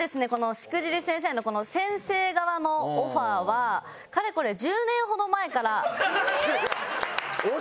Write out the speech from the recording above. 『しくじり先生』のこの先生側のオファーはかれこれ１０年ほど前から。